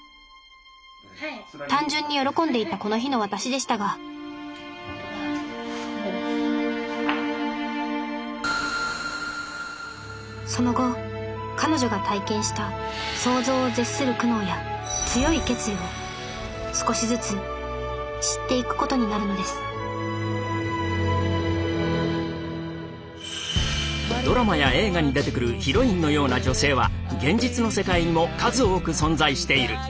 単純に喜んでいたこの日の私でしたがその後彼女が体験した想像を絶する苦悩や強い決意を少しずつ知っていくことになるのですドラマや映画に出てくるヒロインのような女性は現実の世界にも数多く存在している。